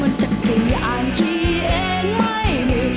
มันจะกินอย่างที่เองไม่มี